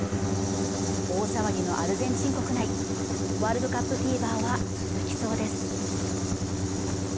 大騒ぎのアルゼンチン国内ワールドカップフィーバーは続きそうです